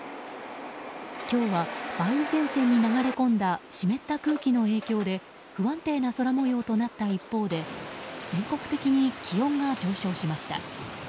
今日は梅雨前線に流れ込んだ湿った空気の影響で不安定な空模様となった一方で全国的に気温が上昇しました。